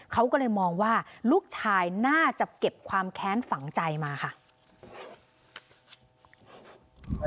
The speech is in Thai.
เขาก็เลยมองว่าลูกชายน่าจะเก็บความแค้นฝังใจมาค่ะ